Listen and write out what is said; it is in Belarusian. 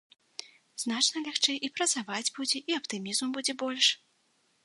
Значна лягчэй і працаваць будзе, і аптымізму будзе больш.